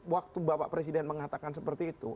waktu bapak presiden mengatakan seperti itu